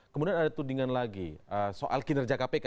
kemudian ada tudingan lagi soal kinerja kpk